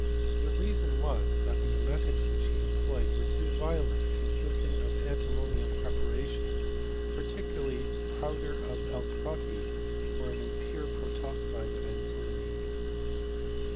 The reason was, that the emetics which hd employed were too violent, consisting of antimonial preparations, particularly powder of Algerotti, or an impure protoxide of antimony.